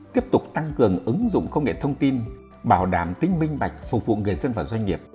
tiếp tục tăng cường ứng dụng công nghệ thông tin bảo đảm tính minh bạch phục vụ người dân và doanh nghiệp